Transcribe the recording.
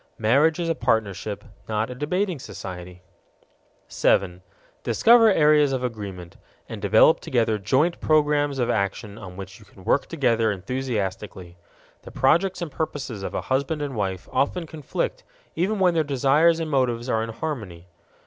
Marriage is a partnership, not a debating society. 7. Discover areas of agreement, and develop together joint programs of action on which you can work together enthusiastically. The projects and purposes of a husband and wife often conflict even when their desires and motives are in harmony.